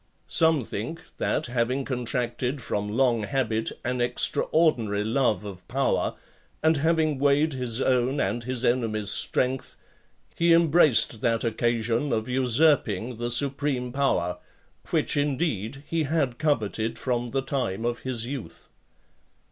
Some think, that having contracted from long habit an extraordinary love of power, and having weighed his own and his enemies' strength, he embraced that occasion of usurping the supreme power; which indeed he had coveted from the time of his youth.